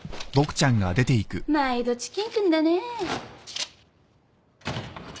毎度チキン君だね。